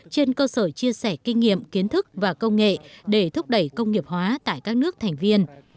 trên cơ sở chia sẻ kinh nghiệm kiến thức và công nghệ để thúc đẩy công nghiệp hóa tại các nước thành viên